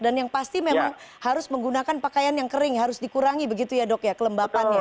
dan yang pasti memang harus menggunakan pakaian yang kering harus dikurangi begitu ya dok ya kelembabannya